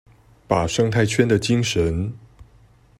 把生態圈的精神